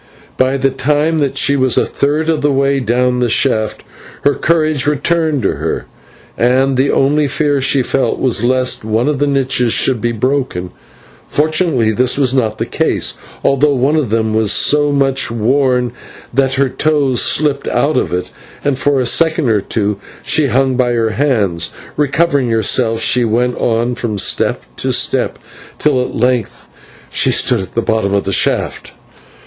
By the time that she was a third of the way down the shaft her courage returned to her, and the only fear she felt was lest some of the niches should be broken. Fortunately this was not the case, although one of them was so much worn that her toes slipped out of it and for a second or two she hung by her hands. Recovering herself, she went on from step to step till at length she stood at the bottom of the shaft.